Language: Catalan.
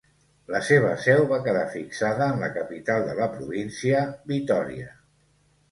La seva seu va quedar fixada en la capital de la província, Vitòria.